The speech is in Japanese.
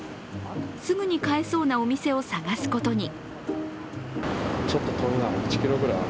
すぐに買えそうなお店を探すことに。